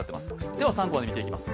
では３コマで見ていきます。